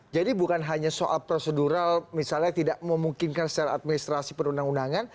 jadi bukan hanya soal prosedural misalnya tidak memungkinkan secara administrasi perundang undangan